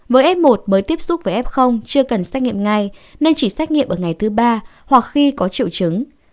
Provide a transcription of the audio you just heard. với f một mới tiếp xúc với f chưa cần xét nghiệm ngay nên chỉ xét nghiệm ở ngày thứ ba hoặc khi có triệu chứng